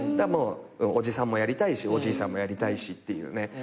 おじさんもやりたいしおじいさんもやりたいしっていう。